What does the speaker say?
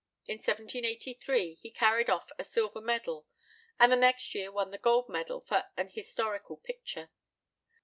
In 1783 he carried off a silver medal, and the next year won the gold medal for an historical picture.